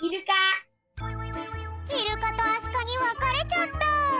イルカとアシカにわかれちゃった！